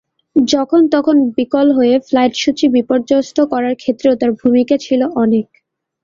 যখন-তখন বিকল হয়ে ফ্লাইটসূচি বিপর্যস্ত করার ক্ষেত্রেও তার ভূমিকা ছিল অনেক।